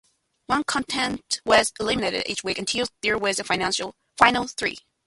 One contestant was eliminated each week until there was a final three.